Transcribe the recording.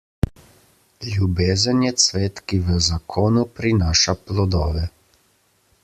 Ljubezen je cvet, ki v zakonu prinaša plodove.